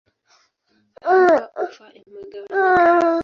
Hapa ufa imegawanyika.